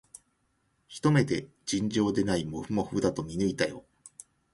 ひと目で、尋常でないもふもふだと見抜いたよ